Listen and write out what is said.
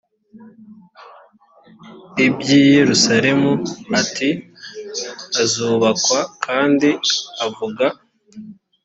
iby i yerusalemu ati hazubakwa kandi avuga